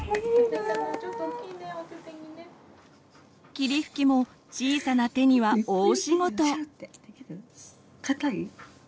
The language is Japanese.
霧吹きも小さな手には大仕事！